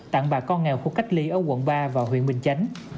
tặng bà con nghèo khu cách ly ở quận ba và huyện bình chánh